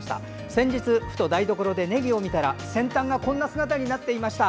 先日、ふと台所でねぎを見たら先端がこんな姿になっていました。